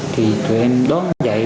thì tụi em đón dậy